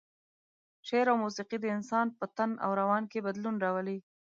شعر او موسيقي د انسان په تن او روان کې بدلون راولي.